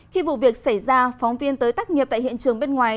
khi vụ việc xảy ra phóng viên tới tác nghiệp tại hiện trường bên ngoài